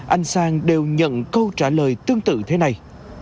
anh sang đều nhận câu trả lời tương tự thế này